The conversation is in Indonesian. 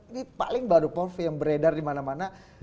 ini paling baru yang beredar di mana mana